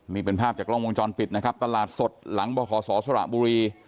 นี่เป็นภาพจากกล้องวงจรปิดนะครับตลาดสดหลังบขศสระบุรี